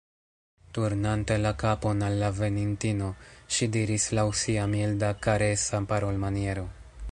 Turnante la kapon al la venintino, ŝi diris laŭ sia milda, karesa parolmaniero: